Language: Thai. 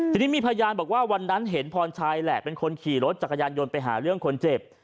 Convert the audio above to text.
ทีนี้มีพยานบอกว่าวันนั้นเห็นพรชัยแหละเป็นคนขี่รถจักรยานยนต์ไปหาเรื่องคนเจ็บ